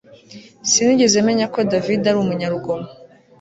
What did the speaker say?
Sinigeze menya David ko ari umunyarugomo